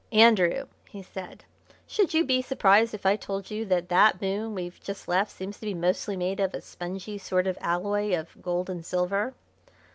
"Andrew," he said, "should you be surprised if I told you that that moon we've just left seems to be mostly made of a spongy sort of alloy of gold and silver?"